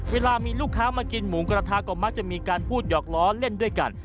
เวลามีลูกค้ามากินหมูกระทะก็มักจะมีการพูดหยอกล้อเล่นด้วยกัน